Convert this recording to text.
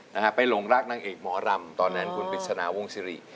นะฮะไปหลงรักนางเอกหมอรำตอนนั้นคุณปริศนาวงศิริ